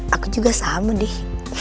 aku juga sama deh